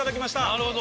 なるほど。